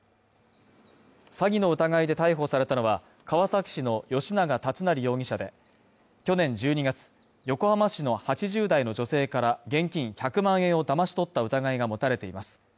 詐欺の疑いで逮捕されたのは川崎市の吉永達成容疑者で、去年１２月、横浜市の８０代の女性から現金１００万円をだまし取った疑いが持たれています。